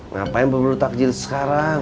ngapain berburu takjil sekarang